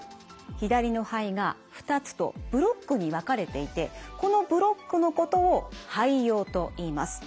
左の肺が２つとブロックに分かれていてこのブロックのことを肺葉といいます。